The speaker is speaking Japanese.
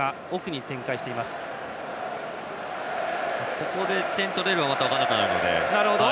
ここで点を取れればまた分からなくなるので。